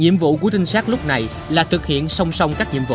nhiệm vụ của trinh sát lúc này là thực hiện song song các nhiệm vụ